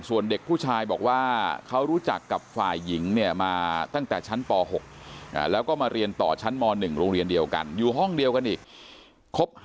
ส่วนเด็กผู้ชายบอกว่าเขารู้จักกับฝ่ายหญิงเนี่ยมาตั้งแต่ชั้นป๖